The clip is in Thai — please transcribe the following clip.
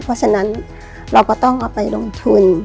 เพราะฉะนั้นเราก็ต้องเอาไปลงทุน